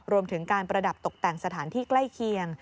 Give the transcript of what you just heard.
รวมถึงการประดับตกแต่งสถานที่ใกล้เคียง